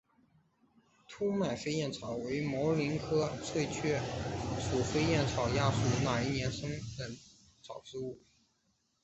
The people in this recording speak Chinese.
凸脉飞燕草为毛茛科翠雀属飞燕草亚属一年生草本植物。